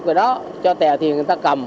cái đó cho tè thiền người ta cầm